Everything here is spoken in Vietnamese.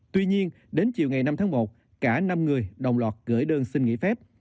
tuy nhiên đến chiều ngày năm tháng một cả năm người đồng loạt gửi đơn xin nghỉ phép